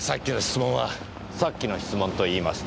さっきの質問と言いますと？